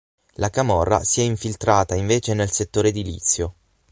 La camorra si è infiltrata invece nel settore edilizio.